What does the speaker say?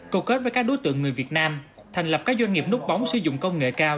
cầu kết với các đối tượng người việt nam thành lập các doanh nghiệp nút bóng sử dụng công nghệ cao